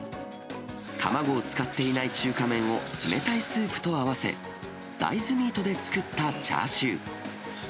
卵を使っていない中華麺を冷たいスープと合わせ、大豆ミートで作ったチャーシュー。